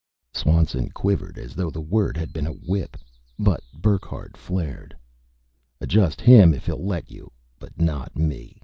Swanson quivered as though the word had been a whip; but Burckhardt flared: "Adjust him, if he'll let you but not me!